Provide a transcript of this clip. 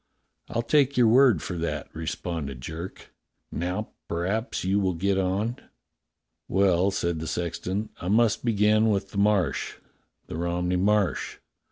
"I'll take your word for that," responded Jerk. "Now p'raps you will get on.^^" "Well," said the sexton, "I must begin with the Marsh — the Romney Marsh.